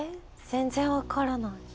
全然分からない。